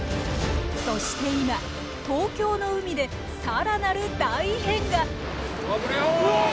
そして今東京の海で更なる大異変が！